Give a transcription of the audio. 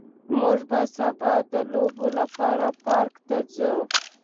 موږ به سبا د لوبو لپاره پارک ته ځو